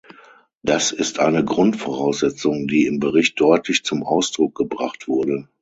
Das ist eine Grundvoraussetzung, die im Bericht deutlich zum Ausdruck gebracht wurde.